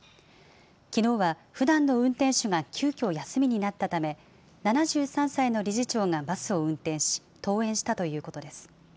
きのうはふだんの運転手が急きょ休みになったため、７３歳の理事長がバスを運転し、登園したということです。